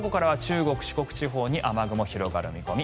午後からは四国・中国地方で雨雲が広がる見込み。